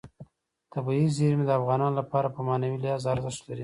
طبیعي زیرمې د افغانانو لپاره په معنوي لحاظ ارزښت لري.